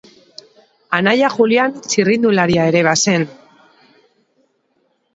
Anaia Julian txirrindularia ere bazen.